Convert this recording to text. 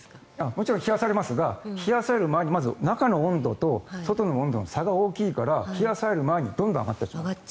もちろん冷やされますが冷やされる前にまず中の温度と外の温度の差が大きいから冷やされる前にどんどん上がります。